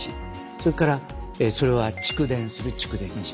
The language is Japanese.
それからそれを蓄電する蓄電池。